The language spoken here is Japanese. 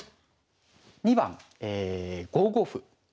２番５五歩。